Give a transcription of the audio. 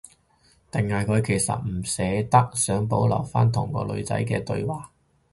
定係佢其實唔捨得，想保留返同個女仔嘅對話